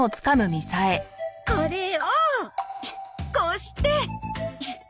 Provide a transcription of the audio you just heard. これをこうして。